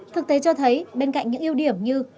thực tế cho thấy bên cạnh những ưu điểm như